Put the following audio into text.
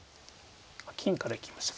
金から行きましたか。